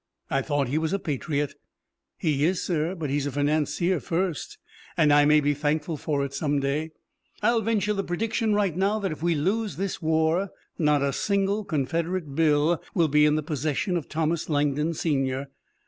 I thought he was a patriot." "He is, sir, but he's a financier first, and I may be thankful for it some day. I'll venture the prediction right now that if we lose this war not a single Confederate bill will be in the possession of Thomas Langdon, Sr.